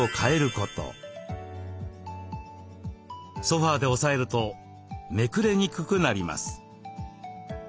ソファーで押さえるとめくれにくくなります。